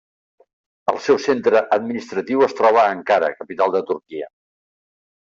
El seu centre administratiu es troba a Ankara, capital de Turquia.